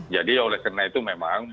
jadi oleh karena itu memang